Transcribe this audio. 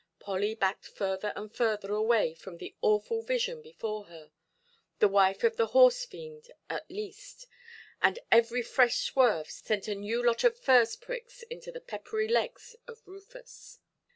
Polly backed further and further away from the awful vision before her—the wife of the horse–fiend at least—and every fresh swerve sent a new lot of furze–pricks into the peppery legs of Rufus.